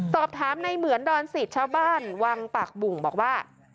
สอบถามในเหมือนดอนสิทธิ์ชาวบ้านวังปากบุ่งบอกว่า